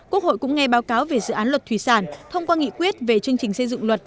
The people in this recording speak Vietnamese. quốc hội cũng nghe báo cáo về dự án luật thủy sản thông qua nghị quyết về chương trình xây dựng luật